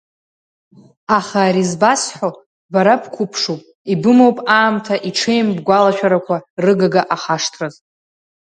Аха ари збасҳәо, бара бқәыԥшуп, ибымоуп аамҭа иҽеим бгәалашәарақәа рыгага ахашҭраз…